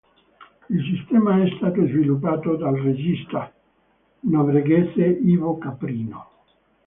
Il sistema è stato sviluppato dal regista norvegese Ivo Caprino